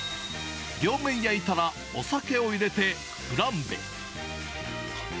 両面焼いたら、お酒を入れてフランベ。